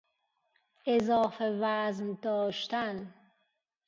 اضافه وزن داشتن